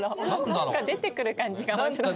何か出てくる感じが面白くて。